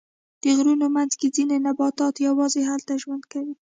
د غرونو منځ کې ځینې نباتات یواځې هلته ژوند کوي.